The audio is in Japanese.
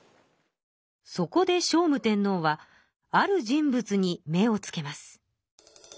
そこで聖武天皇はある人物に目をつけます。